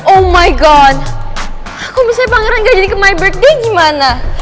oh my god kok misalnya pangeran gak jadi ke my birthday gimana